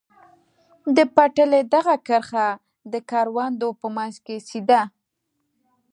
د پټلۍ دغه کرښه د کروندو په منځ کې سیده.